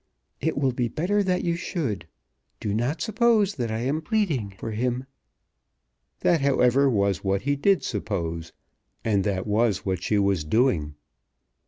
"It will be better that you should. Do not suppose that I am pleading for him." That, however, was what he did suppose, and that was what she was doing.